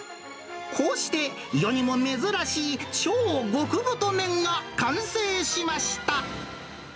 こうして世にも珍しい、超極太麺が完成しました。